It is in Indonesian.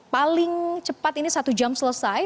paling cepat ini satu jam selesai